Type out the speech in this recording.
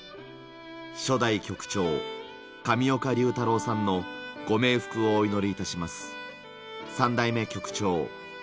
初代局長、上岡龍太郎さんのご冥福をお祈りいたします。